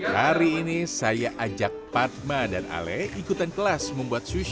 hari ini saya ajak padma dan ale ikutan kelas membuat swiss